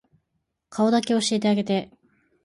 顔だけ教えてあげて